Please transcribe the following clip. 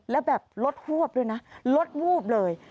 แล้วแบบรถฮวบด้วยนะรถวูบเลย